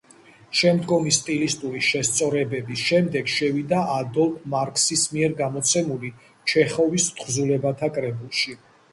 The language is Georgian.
შემდგომი სტილისტური შესწორებების შემდეგ შევიდა ადოლფ მარქსის მიერ გამოცემული ჩეხოვის თხზულებათა კრებულში.